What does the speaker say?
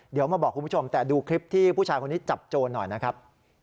เดี๋ยวมาบอกคุณผู้ชมแต่ดูคลิปที่ผู้ชายคนนี้จับโจรหน่อยนะครับ